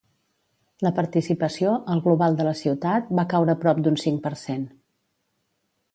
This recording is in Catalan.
La participació, al global de la ciutat, va caure prop d’un cinc per cent.